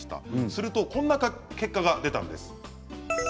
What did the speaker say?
するとこんな結果が出たんです。